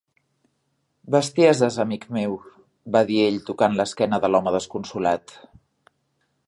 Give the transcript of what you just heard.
""Bestieses, amic meu", va dir ell tocant l'esquena de l'home desconsolat."